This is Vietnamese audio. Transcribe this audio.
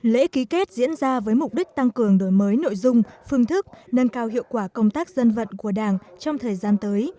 lễ ký kết diễn ra với mục đích tăng cường đổi mới nội dung phương thức nâng cao hiệu quả công tác dân vận của đảng trong thời gian tới